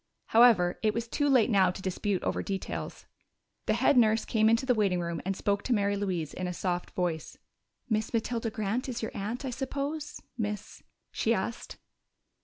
However, it was too late now to dispute over details. The head nurse came into the waiting room and spoke to Mary Louise in a soft voice. "Miss Matilda Grant is your aunt, I suppose, Miss ?" she asked.